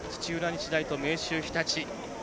日大と明秀日立。